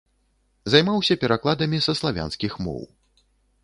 Займаўся перакладамі са славянскіх моў.